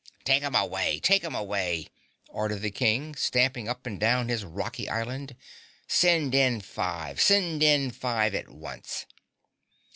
"Take 'em away! Take 'em away!" ordered the King, stamping up and down his rocky island. "Send in Five! Send in Five at once!"